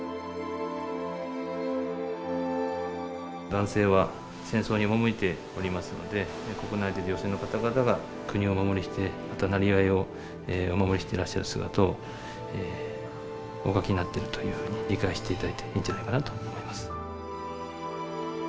男性は戦争に赴いておりますので国内で女性の方々が国をお守りして生業をお守りしていらっしゃる姿をお描きになっているというふうに理解して頂いていいんじゃないかなと思います。